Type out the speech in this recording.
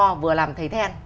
thầy mò vừa làm thầy then